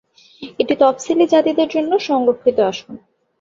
এটি তপসিলী জাতিদের জন্য সংরক্ষিত আসন।